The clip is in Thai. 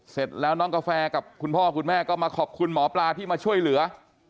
เสร็จแล้วน้องกาแฟกับคุณพ่อคุณแม่ก็มาขอบคุณหมอปลาที่มาช่วยเหลือ